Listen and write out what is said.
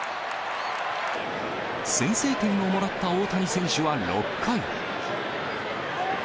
先制点をもらった大谷選手は６回。